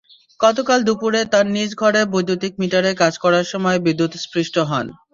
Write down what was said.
গতকাল দুপুরে তাঁর নিজ ঘরে বৈদ্যুতিক মিটারে কাজ করার সময় বিদ্যুৎস্পৃষ্ট হন।